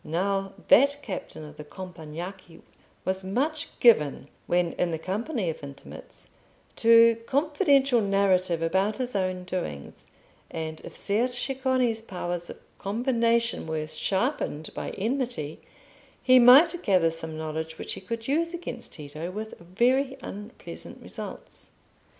Now that captain of the Compagnacci was much given, when in the company of intimates, to confidential narrative about his own doings, and if Ser Ceccone's powers of combination were sharpened by enmity, he might gather some knowledge which he could use against Tito with very unpleasant results.